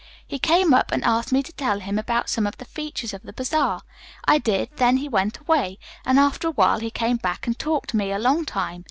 He came up and asked me to tell him about some of the features of the bazaar. I did, then he went away, and after a while he came back and talked to me a long time.